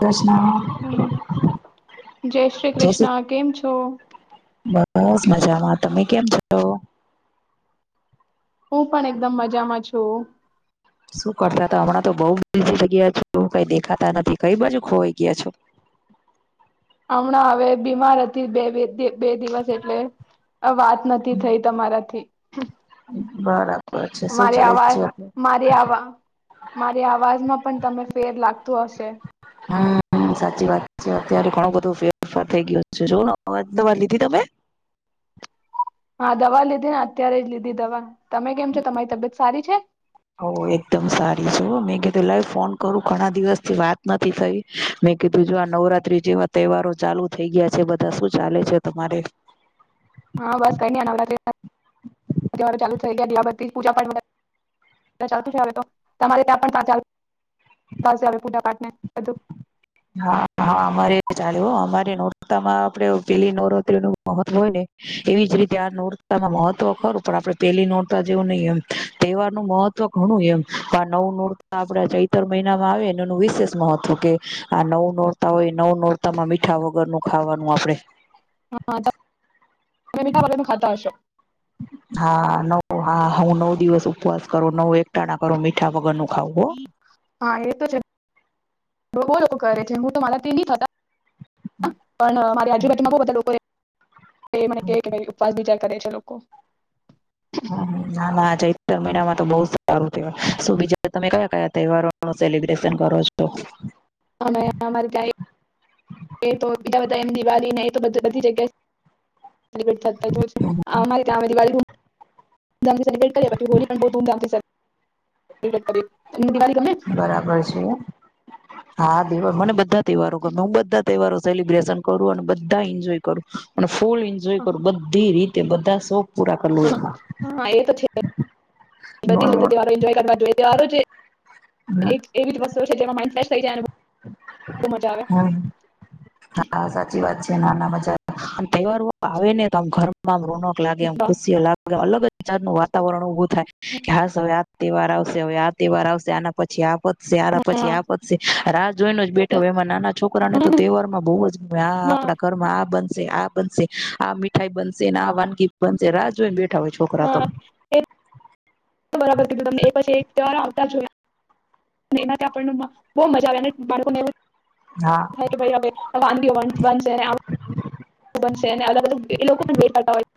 કૃષ્ણ હા જય શ્રી કૃષ્ણ કેમ છો? બસ મજામાં તમે કેમ છો? હું પણ એકદમ મજામાં છું. શું કરતા તા હમણાં તો બઉ બીજી જગ્યા બઉ કઈ દેખાતા નથી કઈ બાજુ ખોવાઈ ગયા છો હમણાં હવે બીમાર હતી બે બે બે દિવસ એટલે વાત નથી થઈ તમારાથી [inaudible] બરા મારે અવાજ મારે આવા મારી અવાજમાં પણ તમે ફેર લાગતો હશે. ફ થઈ ગયો છે જો દવા લીધી તમે હા દવા લીધી ને અત્યારે જ લીધી દવા. તમે કેમ છો તમારી તબિયત સારી છે ઓ એકદમ સારી જો હ મે કે પ લ ફોન કરું ઘણા દિવસ થી વાત નથી થઈ મેં કીધું જો આ નવરાત્રી જેવા તહેવારો ચાલુ થઈ ગયા છે બધા શું ચાલે છે તમારે? હા બસ કઈ ન નવરાત્રી ચાલુ થઈ ગયા દીવાબતી પૂજા પાઠ ચાલ તો તમારે ત્યાં પણ પૂજા પાઠને હા હા અમારે ચાલે અમારે નોરતામાં આપડે પેલી નવરાત્રી નું મહત્વ હોય ને એવી જ રીતે આ નોરતામાં મહત્વ ખરું પણ આપણે પેલી નોરતા જેવું નહી એમ તહેવાર નું મહત્વ ઘણું એમ નવું નોરતા આપડા ચૈતર મહિનામાં આવેને એનું વિશેષ મહત્વ કે આ નવું નોરતા હોય નવું નોરતામાં મીઠા વગરનું ખાવાનું આપડે. હા, તમે મીઠા વગર નું ખાતા હશો. હા નવ હા હું નવ દિવસ ઉપવાસ કરો નવ એક ટાણા પણ હું મીઠા વગર નું ખાવું હો. રો રો કરે છે હું તો મારા થી નઈ થતા હ પણ મારી આજુબાજ માં બઉ બધા લોકો એ એ મ એ ઉપવાસ બીજા કરે છે લોકો. ના ના ચૈતર મહિનામાં તો બઉ સારું તહેવાર શું બીજા તમે કયા-કયા તહેવારો નો સેલિબ્રેશન કરો છો. તો મેં અમાર ગાઈ તેતો બીજા બધા એમ દિવાળી નઈ તો બધ બધી જગ્યા સેલિબ્રેટ થતા જ હોય છે અમારે જવાનું દિવાળી નું ધમધામથી સેલિબ્રેટ કરે પછી હોલી પણ બહુ ધૂમધામથી સેલ ઈબ્રેટ કરીએ તમને દિવાળ ગમે ન? બરાબર છે હા દેવા મને બધા તહેવારો ગમે હ બધા તહેવારો સેલિબ્રેશન કરું અને બધા એન્જોય કરું અન ફૂલ એન્જોય કર બધી રી તે બધા શોખ પૂરા કરવું હ હા એ તો છે બધી રીતે એમાં તહેવારો એન્જોય કરવા જોઈએ તેવા એક એવી જ વસ્ત [unintelligible] છે જેમાં માઈન્ડ સેટ થઈ જાવાનું. હ હા સાચી વાત છે. નાના મજા તહેવારો આવે ને તો આમ ઘર માં રોનક લાગે એમ હા ખુશીઓ લાગ અલગ જ વિચારનું વા તાવરણ ઉભું થાય કે હાશ હવે તહેવાર આવશે હવે આ તહેવાર આવશે આના પછી આ પતશે પછી આ પતશે. આ રા જોઈને જ બેઠો એમાં નાના છોકરાને તો તહેવારમાં બહુ જ આ હા આપડા ઘરમાં આ બનશે આ બનશે આ મીઠાઈ બનશે ને આ વાનગી બનશે રાહ જોઈને બે હા, એ તો બરાબર કીધું તમે એક પછી એક તહેવાર આવતા જ હોય. એના આપણને બો મજા આવે બાળકોને હા [inaudible] વાનગીઓ બને એને આમ બનંસે ને અલગ અલગ એ લોકો વેડતા હોય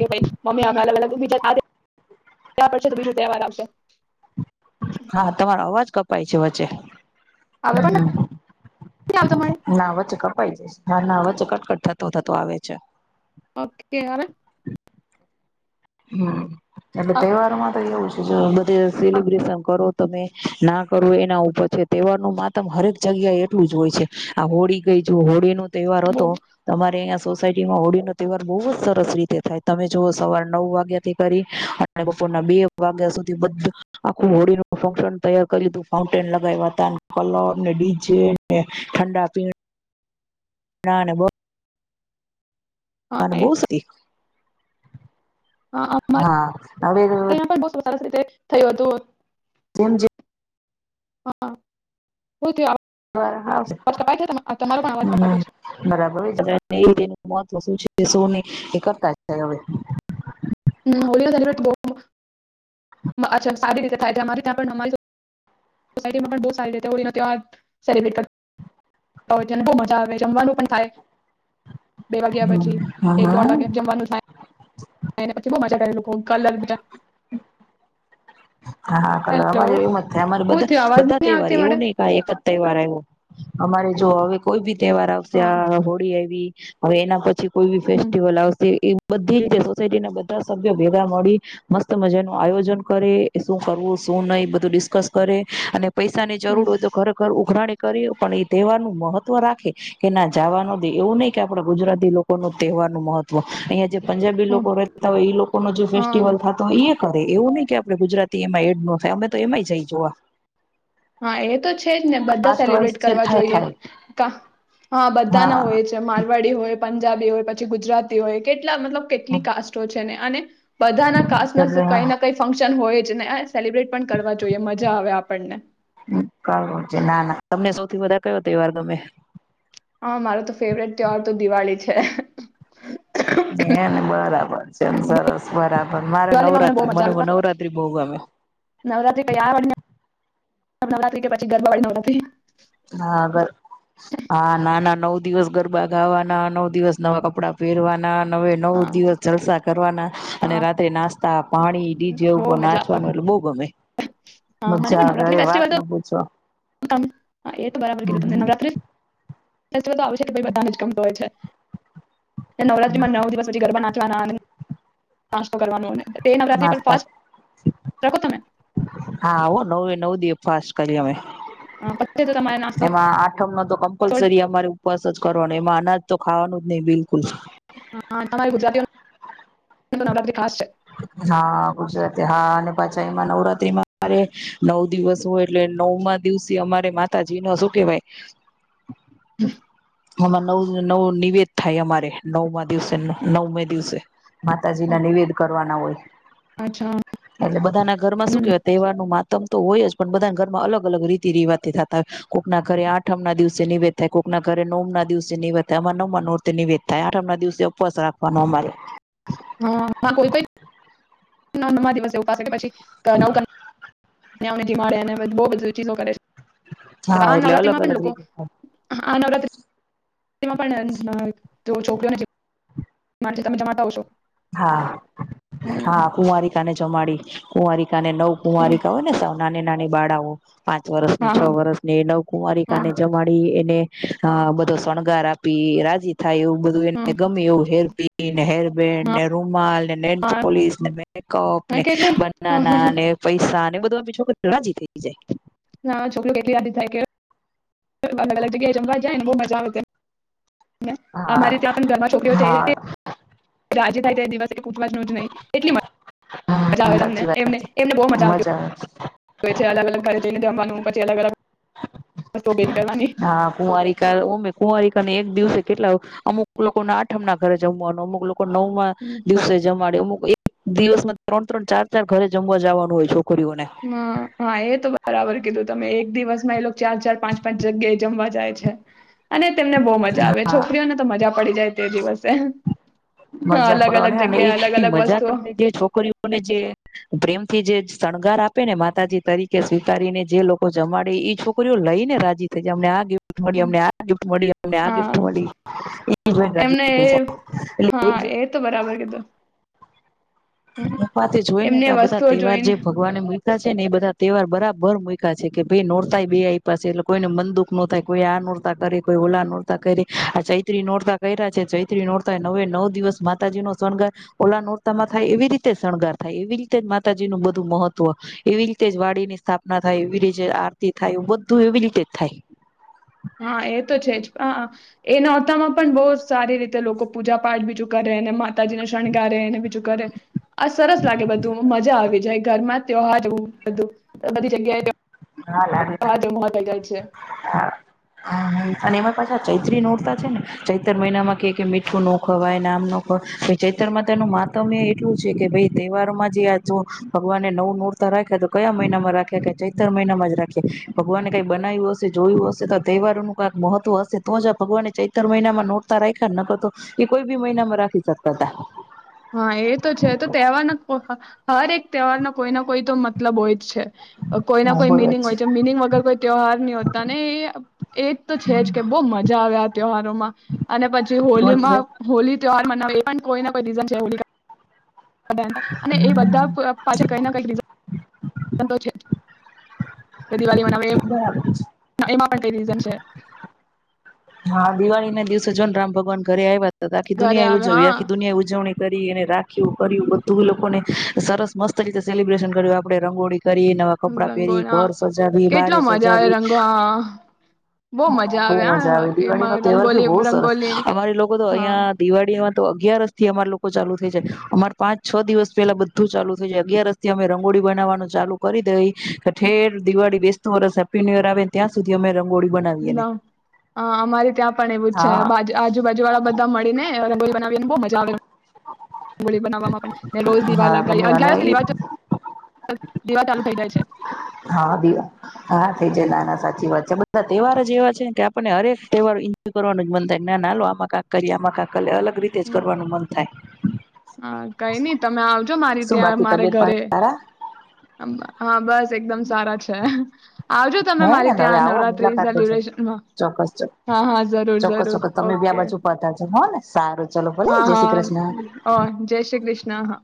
છે, મમ્મી અમે અલગ અલગ બીજા તો બીજ તહેવારશે હા તમારો અવાજ કપાય છે, વચ્ચે હવે પણ નથી આવતો પણ [unintelligible] ના વચ્ચે કપાઈ જશે ના ના વચ કટકટ થતો થતો આવે છે. ઓકે [inaudible] હમ્મ એટલે તહેવારમાં [inaudible] બધે સેલિબ્રેશન કરો તમે ના કરો એના ઉપર છે, તહેવારનું માતમ હરેક જગ્યા એટલું જ હોય છે. આ હોળી ગઈ જો હોળીનું તહેવાર હતો તમારે અં સોસાયટીમાં હોળીનો તહેવાર બહુ જ સરસ રીતે થાય, તમે જુઓ સવારના નવ વાગ્યાથી કરી અને બપોરના બે વાગ્યા સુધી બધુ આખું હોળીનું ફશન તૈયાર કરું ફાઉન્ટેન લગાવ હતા કલર ને ડીજે ને ઠંડા પીણા ના [inaudible] [inaudible] અહીંયા હા હવે પણ બહુ સરસ રીતે થયું હતું. [unintelligible] હ [inaudible] પણ અવાજ કપાતો છે [unintelligible] બરાબર [unintelligible] એ કરતા છે હવે હોલી નો સેલિબ્રેટ બો [inaudible] સારી રીતે થાય અમારી ત્યાં [inaudible] સોસાયટી માં પણ બો સારી રીતે હોડી નો ત્યોહાર સેલિબ્રિટ બો મજા આવે જમવાનું પણ થાય બે વાગ્યા હમ પછી એક દોઢ હમ વાગ્યા જમવાનું થાય ખાય ને પછી બો મજા કરે લોકો કલર બીજા હા કલર હેલો અમારે એ મ જ થાય અમારે હું બધા થયું અવાજ બધા નહી તહેવાર આવતી એવું મળે નહિ કાય એક જ તહેવાર આવ્યો અમારે જો હવે કોઈ બી તહેવાાર આવસે હા આ હોળી આયવી હવે એના પછી કોઈ ભી હમ ફેસ્ટિવલ આવસે એ બધી રીતે સોસાયટી ના બધા સભ્યો ભેગા મળી મસ્ત મજા નું આયોજન કરે એ શું કરવું શું નહીં બધું ડિસ્કસ કરે અને પૈસાની હમ જરૂર હોય તો ઘરે ઘર ઉઘરાણી કરી પણ એ તહેવાર નું મહત્વ રાખે કે ના જવાનું દે, એવું નહીં કે આપડે ગુજરાતી લોકો નો તહેવારનું મહત્વ અહિયાં જે પંજાબી હમ લોકો રહેતા હોય લોકો નો જે હા ફેસ્ટિવલ થતો હોય એ કરે એવું નહીં કે આપડે ગુજરાત એમાં એડ ન થાય અમે તો એમાંય જઈ જોવા હા એ તો છે જ ને બધા કાસ્ટ વાઇઝ સેલિબ્રેટ છે કરવા થાય જોઈએ થાય હા બધા ના હા હોય છે મારવાડી હોય પંજાબી હોય પછી ગુજરાતી હોય કે કેટ મતલબ કેટલી કાસ્ટો છે તેને અને બધા ના કાસ્ટ ના કઈ એટલે ના કંઈ ફંક્શન હોય સેલિબ્રેટ પણ કરવા જોઈએ મજા આવે આપણને કરવું છે ના ના તમને થી બધા કયો તહેવાર ગમે હા મારો તો ફેવરેટ તહેવાર તો દિવાળી છે એમ બરાબર છે એમ સરસ બરાબર મારે દિવાળીમાં બહુ નવરાત્રી મજા મને આવે પણ નવરાત્રી બહુ ગમે નવરાત્રી કયા વાળી નવરાત્રી કે પછી ગરબા વાળી નવરાત્રી હા ગર હા ના ના નવ દિવસ ગરબા ગાવાના નવ દિવસ નવા કપડા પહેરવાના નવે નવ હા દિવસ જલસા કરવાના અને હા રાત્રે નાસ્તા તાપ પાણી ડીજે બહુ ઉપર મજા નાચવાનું એટલે બહુ ગમે મજા આવે અરે વાત ના પૂછો હ તમ હા એ તો બરાબર હમ કીધી હમ નવત્રરાત્રી [unintelligible] આવ છે કે બધાને જ ગમતું હોય છે નવરાત્રીમાં નવ દિવસ પછી ગરબા ના ચા અને નાસ્તો કરવા નો એની અંદર નાસ્તા તમે હા આવો નવ નવ દિવ ઉપવાસ કરી અમે અ, પછી તો તમારે નાસ્તો એમાં આઠમ ન તો કમ્પલસરી અમારે ઉપવાસ જ કરવાનો માનાજ તો ખાવાનું જ નહીબિલકુલ હ તમે ગુજરાતીઓ હા ગુજરાતી હા અને પાછા એમાં નવરાત્રીમાં અરે નવ દિવસ હોય એટલે નવમાં દિવસે અમારે માતાજી નો શું કેવાય [inaudible] આમાં નવ નવ નિવેદ થાય અમારે નવમાં દિવસે નવમ દિવસે માતાજી ઓ, ના ન નિવેદ કરવા ના હોય અચ્છા એટલે બધાના ઘરમાં શું હમ કેવાય તહેવારનું મા તમ તો હોય જ પણ બધાના ઘરમાં અલગ અલગ રીતિ રિવાતે થતા હોય કોઈકના ઘરે આઠમ ના દિવસે નિવેદ થાય કોઈકના ઘરે નવમ ના દિવસે નિવેદ થાય આમાં નવમા નર્તે નિવેદ થાય આઠમ ના દિવસે ઉપવાસ રાખવાનો અમારે હા ના કોઈ કોઈ નવમ ના દિવસે ઉપવાસ કરે પછી [unintelligible] કાનીયા ઓ ને જીમાડે અને બુ બધું ચીનો કરેછે. હા એટલે અલગ અલગ રીતે થાય આ નવરાત્ર તેમાં પણ છોકરીઓ મામાંથી તમે જમાતા આવશો હા હા કુંવારી ક માડી કુંવારી નવ કુમારી કાવય ને સા નાની નાની બાળાઓ પાંચ વર્ષ ની હા, છ હા, વર્ષ ની હા, નવકુમારિકાને જમાડી એને હ બધો શોણગાર આપી રાજી થ થાય એવું બધું એને હા, ગમે એવું હેર પી ન હેરબન્ડ હા, રુમાલ હા. [unintelligible] હા ને કેટલી બનાને હા પૈસા પીછો જીતેઈ જાય હા છોકરી કેટલી યાદી થાય કે અલગ અલગ જગ્યાએ જ ક્યા એને બહ મજા આવ જાય અમારી હા ત્યાં પણ ઘરમાં છોકરીઓ છે રાજે થાય ત દિવસ પૂછવા જ ન જ નં એલી મા આવે હા તમને સાચી વાત એમને બહ મજા આવ અલગ અલગ ઘરે જઈને. નું પચ અલગ વસ્તુઓ ભેગી કરવાની. હા કુંવારીિક ઓમે કુંવારી અને એક દિવસે કેટલા અમુક લોકો ના આઠમના ઘરે જમવાનું અમુક લોકો નવમાં દિવસે જમાડ દિવસમાં ત્રણ ત્રણ ચાર ચાર ઘરે જમવા જવાનું હોયો હ હા એ તો બરાબર કીધું તમે એક એક દિવસમાં એ ચાર ચાર પાંચ પાંચ જગ્યા એ જમવા જાય છે અને તેમને બહુ મજા આવે હા છોકરીઓ ને તો મજા પડી જાય. તે દિવસે મજા અલગ અલગ કરવાની અને જગ્યાએ અલગ એ અલગ મજા વસ્તુઓ કરતા જે છોકરીઓને જે પ્રેમથી જે શણગાર આપે ને માતાજી તરીકે સ્વીકારીને જે લોકો જમાડે છોકરીઓ લઈને રાજી થઈ જ અમને આ મ હમ, આ ગિફ્ટ મળીને આ ગિફ્ટ હા મળી એ જોય એમને જાય એ એટ હા, એ તો બરાબર કીધું. હમ, ા [unintelligible] તે જોય ને તો એમને આ બધા વસ્તુઓ તહેવાર જે જોઈને ભગવાનને મળે. છે ને, એ બધા તહેવાર બરાબર મુક્યા છે કે ભાઈ. નોરતાય બે આઈ પાસે એટલે કોઈને મન દુઃખ નો થાય. કોઈ આ નોરતા કરે, કોઈ ઓલા નોરતા કરે. આ ચૈત્રી નોરતા કર્યા છે- ચૈત્રી નોરતા નવે નવ દિવસ માતાજી નો શણગાર, ઓલા નોરતા. થાય એવી રીતે શણગાર થાય, એવી રીતે જ માતાજી નું બધું મહત્વ, એવી રીતે જ વાડી ની સ્થાપના થાય, એવી રીતે આરતી થાય, એ બધું એવી રીતે જ થાય. હા, એ તો છે જ. એ નોરતામાં પણ બહુ સારી રીતે લોકો પૂજા- પાઠ બીજું કરે અને. તાજી ને શણગારે એને બીજું કરે- આ સરસ લાગે બધું મજા આવી જાય. ઘર માં ત્યોહાર જોવું, બધું બધી જગ્યાએ. હા લ ત્યોહાર જેવું થઈ જાય છે હા [inaudible] અને એમાં પાછા ચૈત્રી નોરતા છે ને, ચૈતર મહિનામાં કે કે મીઠું ન ખવાય, નામ નો લેવાય. ચૈતરમાં તેનું માતમ્ય એટલું છે કે ભાઈ, તહેવારોમાં જે આ જો ભગવાને નવું નૂરતા રાખ્યા તો કયા મહિનામાં રાખ્યા કેૈ? ચૈતર મહિનામાં જ રાખી ભગવાને કંઈ બનાવ્યું હશે, જોયું હશે તો તહેવારોનું કક મહત્વ હશે. તો જ ભગવાને ચૈતર મહિનામાં નોટતા રાખ્યા ન કરતો એ કોઈ બી મહિનામાં રાખી શકતા હતા? હા, એ તો છે. તો તહેવારના હર એક તહેવારના કોઈ ના કોઈ તો મતલબ હોય જ છે. કોઈ ના હા કોઈ બરોબર મિનિંગ હોય છે. મિનિંગ વગર કોઈ તહેવાર નહીં હોતા ને એ એક તો છે હમ જ કે બહુ મજા આવે. આ તહેવારોમાં અને પછી રોજ હોલીમાં હોલી તેવા. એ પણ કોઈને કોઈ ડિઝાઇન. જવ [unintelligible] અને એ હમ બધા પાછા કઈ ના કઈ રીઝન. તો છે. દિવાળી મનાવે એમ બરાબર છે. એમાં પણ કઈ રીઝન છે? હા, દિવાળી ના દિવસે જોને, રામ ભગવાન ઘરે આવ્યા. તો આખી ઘરે દુનિયાઈ આવે ઉજવવી હા આખી દુનિયા ઉજવણી. બરીગનિરા [inaudible] કેવું કર્યું બધું એ લોકોને? સરસ મસ્ત રીતે સેલિબ્રેશન કર્યું. આપડે રંગોળી. કરી, નવાં કપડા રંગો પહેરી, હા ઘર સજાવી, કેટલો બારે મજા આવે સજાવી રંગો હા બહુ મજા બહુ આવે હા મજા આવે. દિવાળી એમાં નો તહેવાર ભી રંગોલી બહુ સરસ. રંગોલી અમારી લોકો તો હા અહિયાં દિવાળી. તો અગિયારસ થી અમાર લોકો ચાલુ થઈ છે. અમાર પાંચ- છ દિવસ પેલા બધું ચાલુ થઈ છે. અગિયાર રસ થી અમે રંગોળી બનાવાનું ચાલુ કરી દઈ. ઠેર દિવાળી બેસ. સપ ય આવે ત્યાં સુધી અ [unintelligible] રંગોળી બનાવીએ. અ અમારે ત્યાં પણ એવું છે. આજુબાજુ વાળા બધા મળીને રંગોલી બનાવી ને બહુ મજા આવે. રંગોળી બનાવવામાં પણ મે રોજ દીવા હા લગાવી ગમે અને અગાર દી એ દીવા ચાલુ થઈ જાય છે. વચ્ચે આ બધા તહેવા જ એવા છે કે આપણને હરેક તહેવારય કરવા જ મન થાય ના લો આમાં કાક કરીએ આમાં કા કરે અલગ. રીતે જ કરવાનું મન. હા, કઈ નઈ તમે આવજો મારી શું ત્યાં બાકી મારે તબિયત ઘરે પાણી સારા હા બસ બસ એકદમ સારા છે. આવજો તમે હે ને મારી હવે ત્યાં આવો નવરાત્રી મુલાકાત લેજો સેલિબ્રેશનમાં ચોક્કસ હા હા જરૂર ચોક્કસ જરૂર ચોક્કસ તમે બી આ ઓકે. બાજુ પધારજો હો ને સારું. ચલો ભલે હા જય શ્રી કૃષ્ણ હા ઓ જય શ્રી કૃષ્ણ હા.